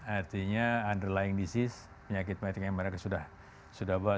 artinya underlying disease penyakit matematika yang mereka sudah buat